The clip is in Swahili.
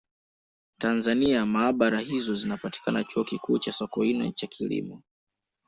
Tanzania maabara hizo zinapatikana Chuo Kikuu cha Sokoine cha Kilimo